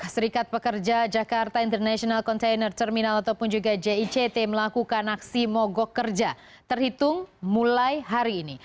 serikat pekerja jakarta international container terminal ataupun juga jict melakukan aksi mogok kerja terhitung mulai hari ini